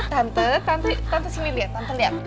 tante sini lihat tante lihat